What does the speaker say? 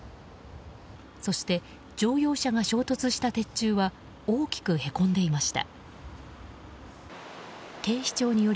そして、乗用車が衝突した鉄柱は大きくへこんでいました。